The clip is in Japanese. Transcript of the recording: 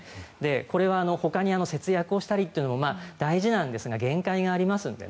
これはほかに、節約をしたりというのも大事ですが限界がありますので。